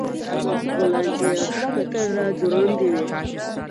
غولانځې يې ښکته راځوړندې وې